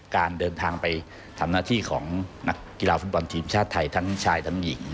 การเดินทางไปทำหน้าที่ของนักกีฬาฟุตบอลทีมชาติไทยทั้งชายทั้งหญิง